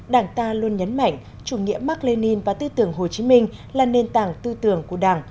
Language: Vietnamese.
đảng ta luôn nhấn mạnh chủ nghĩa mark lenin và tư tưởng hồ chí minh là nền tảng tư tưởng của đảng